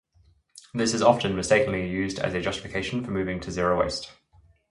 This is often, mistakenly used as a justification for moving to Zero Waste.